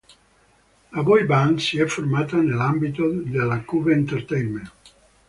La boy band si è formata nell'ambito della Cube Entertainment.